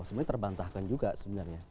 sebenarnya terbantahkan juga sebenarnya